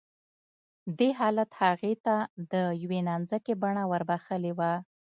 دې حالت هغې ته د يوې نانځکې بڼه وربښلې وه